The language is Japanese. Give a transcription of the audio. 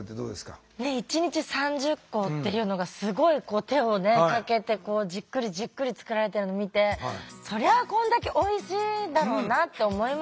一日３０個っていうのがすごい手をかけてじっくりじっくり作られてるのを見てそりゃあこんだけおいしいだろうなって思いましたね。